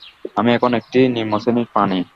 আমি এখন একটি নিম্নশ্রেণীর প্রাণী।